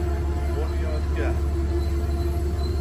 بنیاد گر